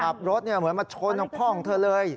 ทาบรถเหมือนมาช้นข้องพ่องเธอเลย